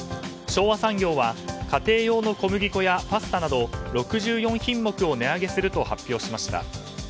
昭和産業は家庭用の小麦粉やパスタなど６４品目を値上げすると発表しました。